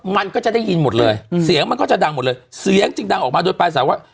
มันก็จะได้ยินหมดเลยเสียงมันก็จะดังหมดเลยเสียงจึงดังออกมาโดยปลายสายว่า